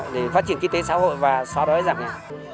để phát triển kinh tế xã hội và xóa đói giảm nghèo